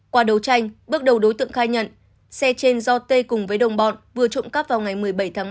bước đầu đối tượng khai nhận xe trên do t cùng với đồng bọn vừa trộm cắp vào ngày một mươi bảy tháng ba